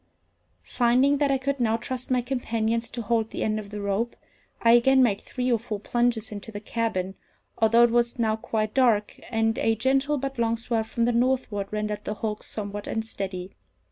Finding that I could now trust my companions to hold the end of the rope, I again made three or four plunges into the cabin, although it was now quite dark, and a gentle but long swell from the northward rendered the hulk somewhat unsteady.